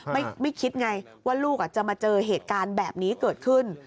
ไม่คิดไงว่าลูกจะมาเจอเหตุการณ์แบบนี้เกิดขึ้น